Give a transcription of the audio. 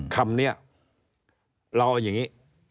คำนี้เราเอาอย่างนี้